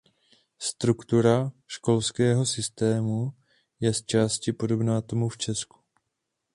Struktura školského systému je zčásti podobná tomu v Česku.